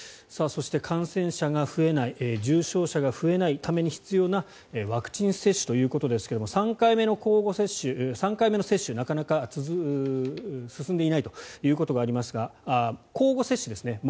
そして、感染者が増えない重症者が増えないために必要なワクチン接種ということですが３回目の接種なかなか進んでいないということがありますが交互接種ですね。